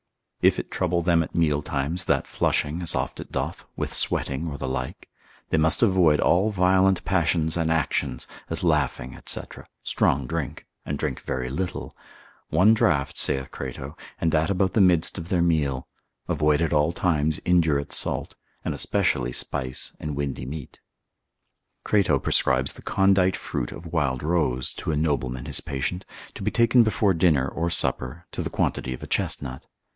If it trouble them at meal times that flushing, as oft it doth, with sweating or the like, they must avoid all violent passions and actions, as laughing, &c., strong drink, and drink very little, one draught, saith Crato, and that about the midst of their meal; avoid at all times indurate salt, and especially spice and windy meat. Crato prescribes the condite fruit of wild rose, to a nobleman his patient, to be taken before dinner or supper, to the quantity of a chestnut.